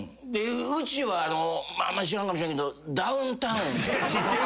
うちはあんま知らんかもしれんけどダウンタウン。